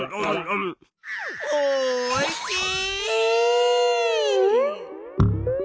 おいしい！